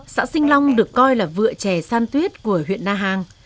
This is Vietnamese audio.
xã sinh long được coi là vựa chè san tuyết của huyện na hàng